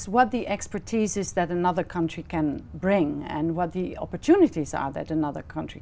và chúng đã xây dựng hàng ngàn phương pháp phát triển năng lượng ở đây